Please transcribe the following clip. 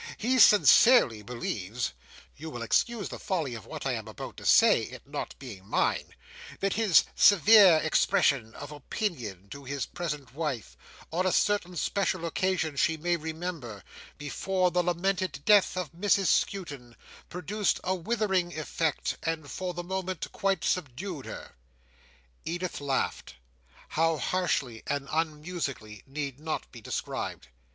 —he sincerely believes (you will excuse the folly of what I am about to say; it not being mine) that his severe expression of opinion to his present wife, on a certain special occasion she may remember, before the lamented death of Mrs Skewton, produced a withering effect, and for the moment quite subdued her!" Edith laughed. How harshly and unmusically need not be described.